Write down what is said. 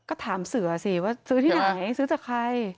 ก็ถามเสือสิว่าซื้อที่ไหนซื้อจากใคร